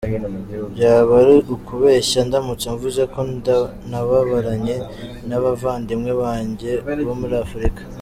Byaba ari ukubeshya ndamutse mvuze ko nababaranye n’abavandimwe banjye bo muri Afurika.